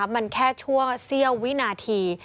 มันแค่ช่วงเสี้ยววินาที